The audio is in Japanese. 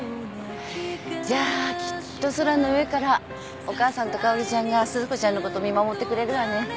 じゃあきっと空の上からお母さんとかおりちゃんが鈴子ちゃんのこと見守ってくれるわね。